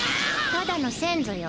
ただの先祖よ。